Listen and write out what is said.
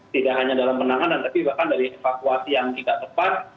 tidak hanya dalam penanganan tapi bahkan dari evakuasi yang tidak tepat